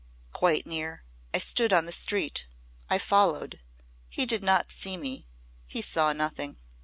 "Quite near. I stood on the street. I followed. He did not see me. He saw nothing."